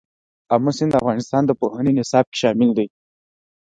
آمو سیند د افغانستان د پوهنې نصاب کې شامل دي.